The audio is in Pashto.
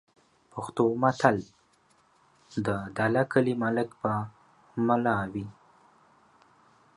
پښتو متل: "د دله کلي ملک به مُلا وي"